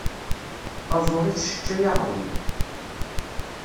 Taẓuri tesseččay aɣrum.